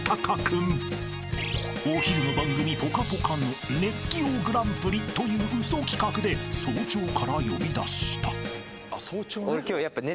［お昼の番組『ぽかぽか』の「寝つき王グランプリ」という嘘企画で早朝から呼び出した］